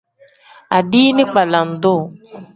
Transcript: Adiini kpelendu.